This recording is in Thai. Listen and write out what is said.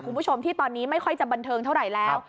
คุณผู้ชมที่ตอนนี้ไม่ค่อยจะบันเทิงเท่าไหร่แล้ว